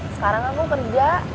sekarang aku kerja